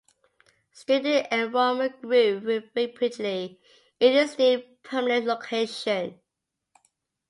Student enrollment grew rapidly in this new, permanent location.